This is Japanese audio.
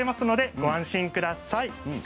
ご安心ください。